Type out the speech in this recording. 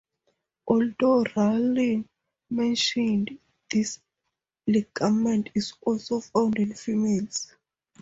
Although rarely mentioned, this ligament is also found in females.